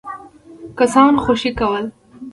کسان خوشي کول.